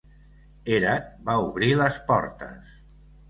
Herat va obrir les portes.